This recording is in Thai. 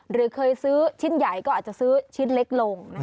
หรือเคยซื้อชิ้นใหญ่ก็อาจจะซื้อชิ้นเล็กลง